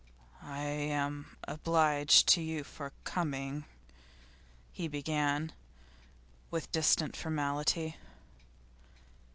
'I am obliged to you for coming,' he began with distant formality.